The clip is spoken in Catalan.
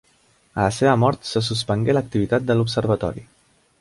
A la seva mort se suspengué l'activitat de l'Observatori.